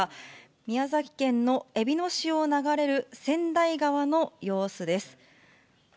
宮崎県のえびの市を流れる川内川の様子です。